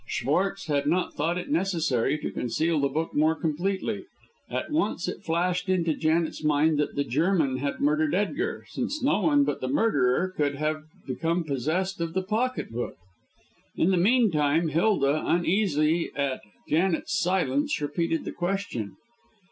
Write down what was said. Schwartz had not thought it necessary to conceal the book more completely. At once it flashed into Janet's mind that the German had murdered Edgar, since no one but the murderer could have become possessed of the pocket book. In the meantime Hilda, uneasy at Janet's silence, repeated the question.